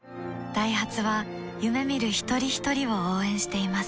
ダイハツは夢見る一人ひとりを応援しています